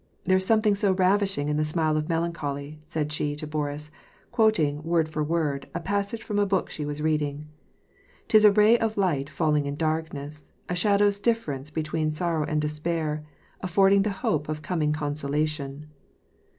"There is something so ravishing in the smile of melancholy," said she to Boris, quoting, word for word, a passage from a book she was reading :" 'Tis a ray of light falling in darkness, a shad ow's difference between sorrow and despair, affording the hope of coming cJfcsolation."